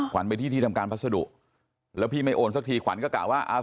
ไปที่ที่ทำการพัสดุแล้วพี่ไม่โอนสักทีขวัญก็กะว่าอ่า